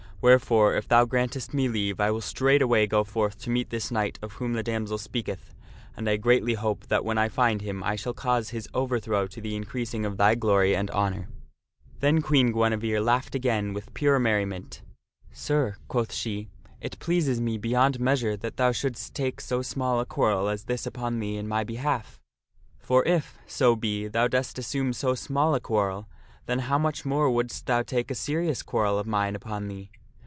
Wherefore, if thou grantest JJJjJJT^^ me leave, I will straightway go forth to meet this knight of Queen. whom the damsel speaketh, and I greatly hope that when I find him I shall cause his overthrow to the increasing of thy glory and honor. ' 208 THE STORY OF SIR PELLIAS Then Queen Guinevere laughed again with pure merriment. " Sir/* quoth she, " it pleases me beyond measure that thou shouldst take so small a quarrel as this upon thee in my behalf. For if, so be, thou dost assume so small a quarrel, then how much more wouldst thou take a serious quarrel of mine upon thee